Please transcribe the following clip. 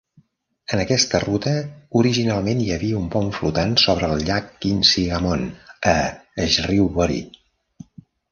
En aquesta ruta originalment hi havia un pont flotant sobre el llac Quinsigamond a Shrewsbury.